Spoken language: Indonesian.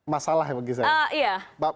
masalah bagi saya